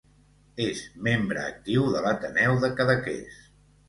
És membre actiu de l'Ateneu de Cadaqués.